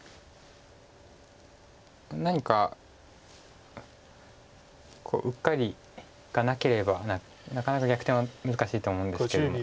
何かうっかりがなければなかなか逆転は難しいと思うんですけども。